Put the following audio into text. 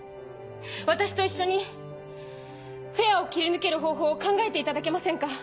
私と一緒にフェアを切り抜ける方法を考えていただけませんか。